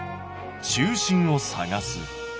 「中心を探す」。